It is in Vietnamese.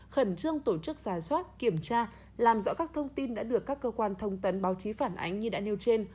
khẩn trương tổ chức giả soát kiểm tra làm rõ các thông tin đã được các cơ quan thông tấn báo chí phản ánh như đã nêu trên